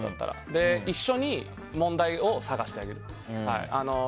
で、一緒に問題を探してあげる。